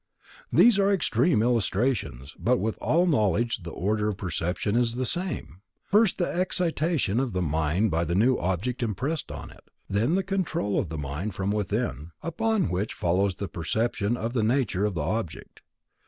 These are extreme illustrations; but with all knowledge the order of perception is the same: first, the excitation of the mind by the new object impressed on it; then the control of the mind from within; upon which follows the perception of the nature of the object.